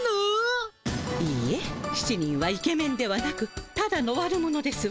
いいえ７人はイケメンではなくただの悪者ですわ。